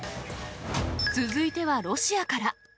続いてはロシアから。